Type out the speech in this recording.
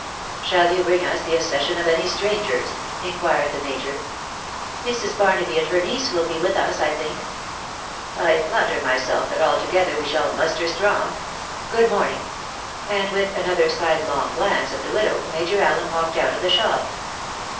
" Shall you bring us the accession of any strangers?" in quired the major. " Mrs. Barnaby and her niece will be with us, I think." " I flatter myself that altogether we shall muster strong. Good morning !" and with another sidelong glance at the widow, Major Allen walked out o£ the shop.